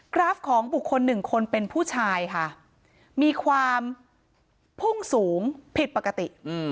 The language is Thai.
กราฟของบุคคลหนึ่งคนเป็นผู้ชายค่ะมีความพุ่งสูงผิดปกติ